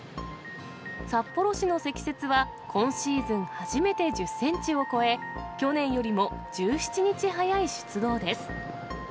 札幌市の積雪は、今シーズン初めて１０センチを超え、去年よりも１７日早い出動です。